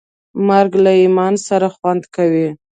مرګ له ایمان سره خوند کوي.